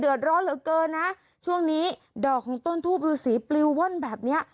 ร้อนเหลือเกินนะช่วงนี้ดอกของต้นทูบรูสีปลิวว่อนแบบเนี้ย